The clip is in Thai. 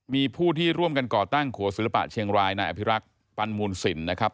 มีผู้ที่ร่วมกันก่อตั้งขัวศิลปะเชียงรายนายอภิรักษ์ปันมูลสินนะครับ